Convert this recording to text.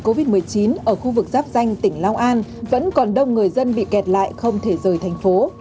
covid một mươi chín ở khu vực giáp danh tỉnh long an vẫn còn đông người dân bị kẹt lại không thể rời thành phố